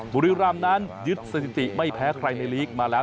บุรีรำนั้นยึดสถิติไม่แพ้ใครในลีกมาแล้ว